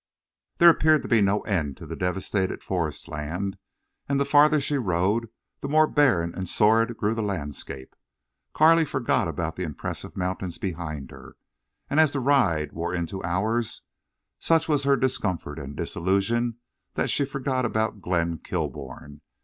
There appeared to be no end to the devastated forest land, and the farther she rode the more barren and sordid grew the landscape. Carley forgot about the impressive mountains behind her. And as the ride wore into hours, such was her discomfort and disillusion that she forgot about Glenn Kilbourne.